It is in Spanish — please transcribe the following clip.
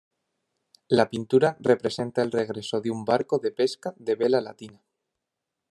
La pintura representa el regreso de un barco de pesca de vela latina.